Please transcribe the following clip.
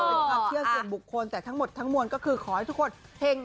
เป็นความเชื่อส่วนบุคคลแต่ทั้งหมดทั้งมวลก็คือขอให้ทุกคนเห็ง